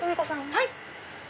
はい。